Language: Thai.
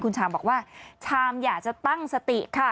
คุณชามบอกว่าชามอยากจะตั้งสติค่ะ